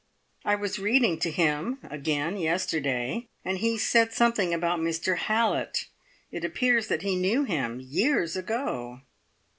I was reading to him again yesterday, and he said something about Mr Hallett. It appears that he knew him years ago."